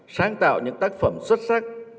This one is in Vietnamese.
sáng tạo những tác phẩm xuất sắc